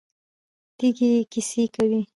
تیږې کیسې کوي.